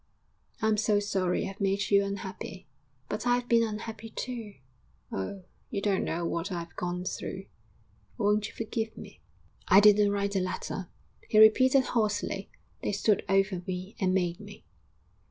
'I'm so sorry I've made you unhappy. But I've been unhappy too oh, you don't know what I've gone through!... Won't you forgive me?' 'I didn't write the letter,' he repeated hoarsely; 'they stood over me and made me.'